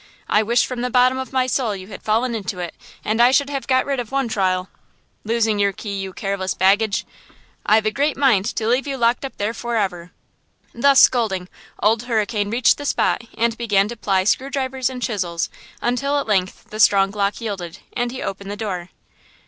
I wish from the bottom of my soul you had fallen into it, and I should have got rid of one trial! Losing your key, you careless baggage! I've a great mind to leave you locked up there forever." Thus scolding, Old Hurricane reached the spot and began to ply screw drivers and chisels until at length the strong lock yielded, and he opened the door.